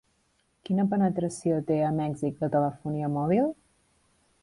Quina penetració té a Mèxic la telefonia mòbil?